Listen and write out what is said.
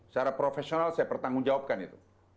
secara profesional saya bertanggung jawabkan itu